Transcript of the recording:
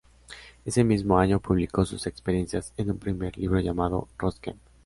Ese mismo año publicó sus experiencias en un primer libro llamado, "Ross Kemp.